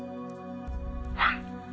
「はい」